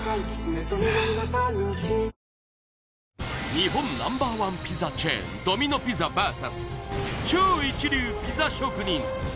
日本Ｎｏ．１ピザチェーンドミノ・ピザＶＳ超一流ピザ職人